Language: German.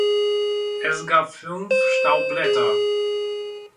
Es gab fünf Staubblätter.